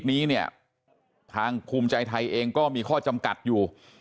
นี้เนี่ยทางภูมิใจไทยเองก็มีข้อจำกัดอยู่